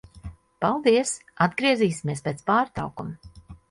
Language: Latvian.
Paldies. Atgriezīsimies pēc pārtraukuma.